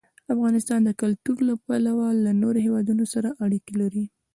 افغانستان د کلتور له پلوه له نورو هېوادونو سره اړیکې لري.